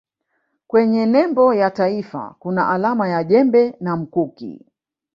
kwenye nembo ya taifa kuna alama ya jembe na mkuki